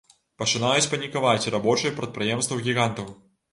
Пачынаюць панікаваць і рабочыя прадпрыемстваў-гігантаў.